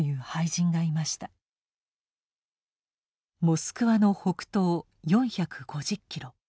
モスクワの北東４５０キロ。